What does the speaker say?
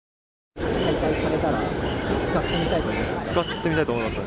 再開されたら使ってみたいと思いますか？